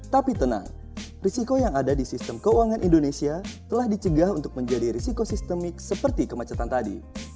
tapi tenang risiko yang ada di sistem keuangan indonesia telah dicegah untuk menjadi risiko sistemik seperti kemacetan tadi